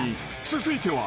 ［続いては］